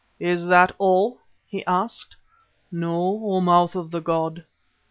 "Is that all?" he asked. "No, O Mouth of the god.